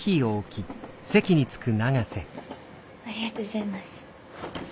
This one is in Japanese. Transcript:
ありがとうございます。